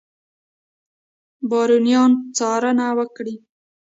بارونیان څارنه وکړي.